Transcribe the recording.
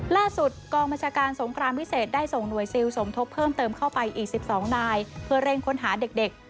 กองบัญชาการสงครามพิเศษได้ส่งหน่วยซิลสมทบเพิ่มเติมเข้าไปอีก๑๒นายเพื่อเร่งค้นหาเด็ก